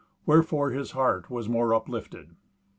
Wherefore his heart was the more uplifted.